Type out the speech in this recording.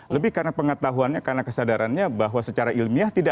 lebih karena pengetahuannya karena kesadarannya bahwa secara ilmiah